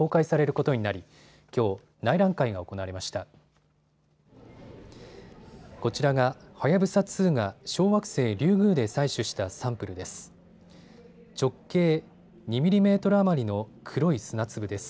こちらが、はやぶさ２が小惑星リュウグウで採取したサンプルです。